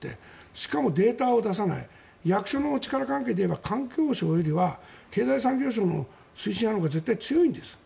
しかもデータを出さない役所の力関係でいえば環境省よりは経済産業省の推進派のほうが絶対強いんです。